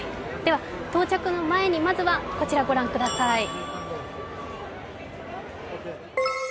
では、到着の前にまずはこちら御覧ください。